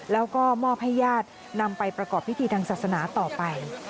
แล้วก็มอบให้ญาตินำไปประกอบพิธีทางศาสนาต่อไป